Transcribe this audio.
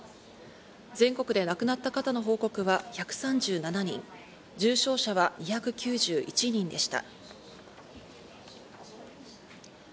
全国で亡くなった方の報告は１３７人、重症者は２９１人でした。